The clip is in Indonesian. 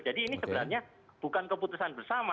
jadi ini sebenarnya bukan keputusan bersama